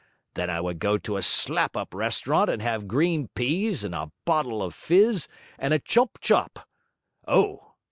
Then I would go to a slap up restaurant, and have green peas, and a bottle of fizz, and a chump chop Oh!